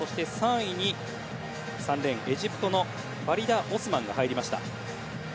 ３位に３レーン、エジプトのファリダ・オスマンが入りました。